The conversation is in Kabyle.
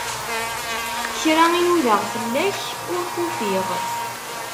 Kra i nudaɣ fell-ak, ur k-ufiɣ.